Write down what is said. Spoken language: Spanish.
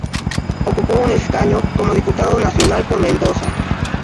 Ocupó un escaño como diputado nacional por Mendoza.